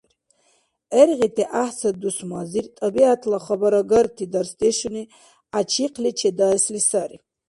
ГӀергъити гӀяхӀцад дусмазир тӀабигӀятла хабарагарти дарсдешуни гӀячихъли чедаэсли сари.